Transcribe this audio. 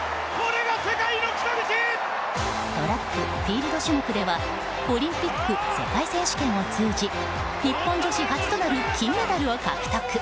トラック、フィールド種目ではオリンピック、世界選手権を通じ日本女子初となる金メダルを獲得。